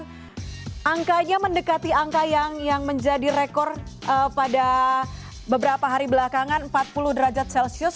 dan angkanya mendekati angka yang menjadi rekor pada beberapa hari belakangan empat puluh derajat celsius